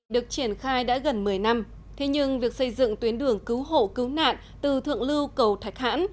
được triển khai đã gần một mươi năm thế nhưng việc xây dựng tuyến đường cứu hộ cứu nạn từ thượng lưu cầu thạch hãn